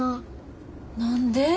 何で？